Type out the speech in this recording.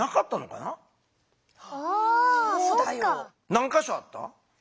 何かしょあった？